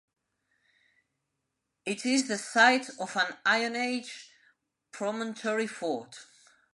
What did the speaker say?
It is the site of an Iron Age promontory fort.